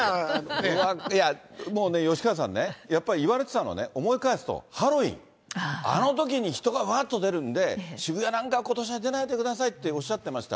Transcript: いやもうね、吉川さんね、やっぱり言われてたのは、思い返すと、ハロウィン、あのときに人がわーっと出るんで、渋谷なんか、ことしは出ないでくださいっておっしゃってました。